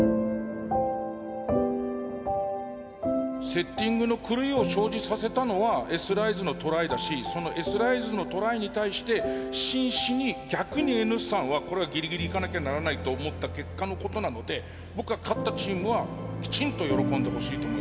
セッティングの狂いを生じさせたのはＳライズのトライだしそのＳライズのトライに対して真摯に逆にＮ産はこれはギリギリいかなきゃならないと思った結果のことなので僕は勝ったチームはきちんと喜んでほしいと思いますね。